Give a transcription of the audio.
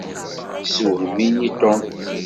Yessewhem-iyi Tom.